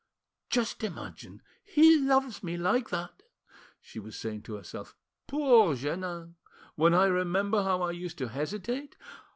"Just imagine! He loves me like that!" she was saying to herself. "Poor Jeannin! When I remember how I used to hesitate.